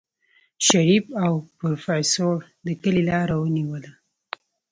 شريف او پروفيسر د کلي لار ونيوله.